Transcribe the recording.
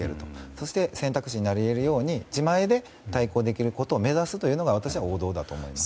そして、選択肢になり得るように自前で対抗できることを目指すということが王道だと思います。